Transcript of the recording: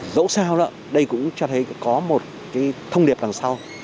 dẫu sao đây cũng cho thấy có một thông điệp đằng sau